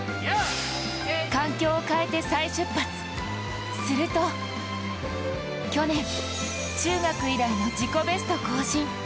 環境を変えて再出発すると去年、中学以来の自己ベスト更新。